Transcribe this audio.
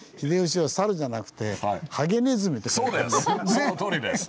そのとおりです！